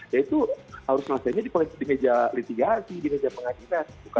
ya itu harus selesainya di meja litigasi di meja pengadilan